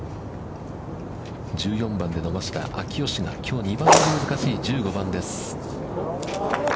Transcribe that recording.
１４番で伸ばした秋吉がきょう２番目に難しい１５番です。